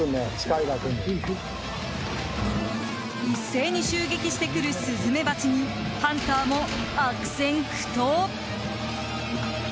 一斉に襲撃してくるスズメバチにハンターも悪戦苦闘。